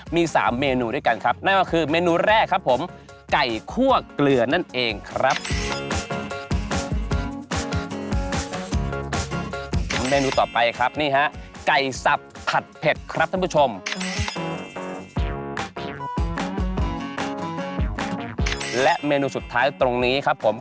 มีสามเมนูด้วยกันครับนั่นก็คือเมนูแรกครับผม